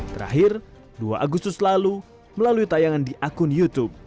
terakhir dua agustus lalu melalui tayangan di akun youtube